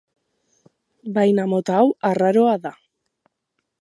Baina mota hau arraroa da.